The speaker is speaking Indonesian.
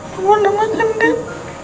mama udah makan gak